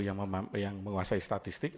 yang menguasai statistik